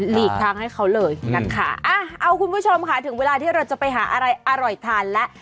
หลีกทางให้เขาเลยนะคะอ่ะเอาคุณผู้ชมค่ะถึงเวลาที่เราจะไปหาอะไรอร่อยทานแล้ว